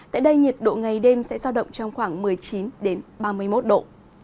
tại đây nhiệt độ ngày đêm sẽ giao động trong khoảng một mươi chín ba mươi một độ